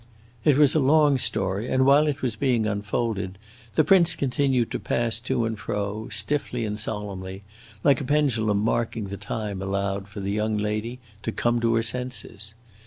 It was a long story, and while it was being unfolded, the prince continued to pass to and fro, stiffly and solemnly, like a pendulum marking the time allowed for the young lady to come to her senses.